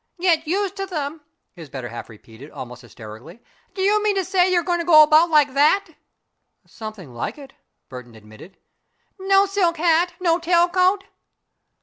"Get used to them!" his better half repeated, almost hysterically. "Do you mean to say you are going about like that?" "Something like it," Burton admitted. "No silk hat, no tail coat?"